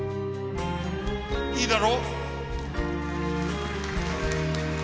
いいだろ？